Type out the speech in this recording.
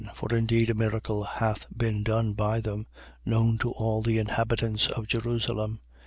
For indeed a miracle hath been done by them, known to all the inhabitants of Jerusalem.